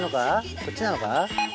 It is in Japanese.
こっちなのかな？